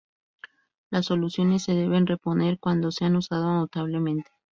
Las soluciones se deben reponer cuando se han usado notablemente.